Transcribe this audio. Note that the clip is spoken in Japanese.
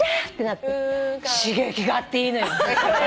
なって刺激があっていいのよ。